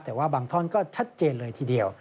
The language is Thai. แต่ว่าบางท่อนก็ชัดเจนเลยทีเดียว